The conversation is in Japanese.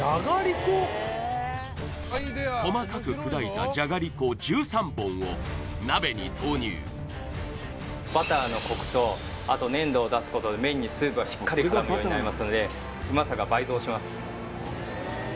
細かく砕いたじゃがりこ１３本を鍋に投入バターのコクとあと粘度を出すことで麺にスープがしっかり絡むようになりますのでうまさが倍増します